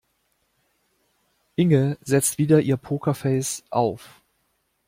Inge setzte wieder ihr Pokerface auf.